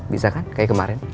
bisa kan kayak kemaren